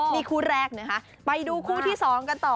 นี่คู่แรกนะคะไปดูคู่ที่๒กันต่อ